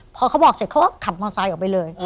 พอเขาบอกเสร็จเขาก็ขับมอไซค์ออกไปเลย